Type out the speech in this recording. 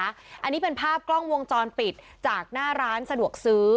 อันนี้เป็นภาพกล้องวงจรปิดจากหน้าร้านสะดวกซื้อ